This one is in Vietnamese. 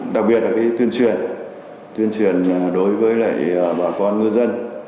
đặc biệt là tuyên truyền đối với bà con ngư dân